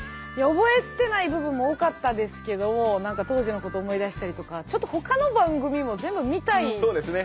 覚えてない部分も多かったですけど当時のこと思い出したりとかちょっとほかの番組も全部見たいですね。